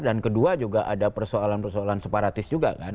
dan kedua juga ada persoalan persoalan separatis juga kan